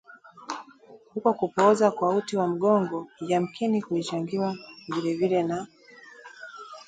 Huko kupooza kwa uti wa mgongo yamkini kulichangiwa vilevile na